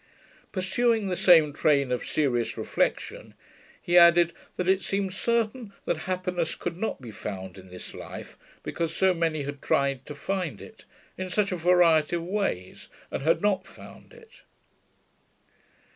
Pursuing the same train of serious reflection, he added, that it seemed certain that happiness could not be found in this life, because so many had tried to find it, in such a variety of ways, and had not found it.